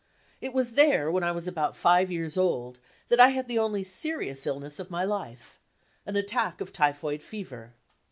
It was there, when I was about five years old, that I had the oniy serious illness of my life an attack of typhoid fever.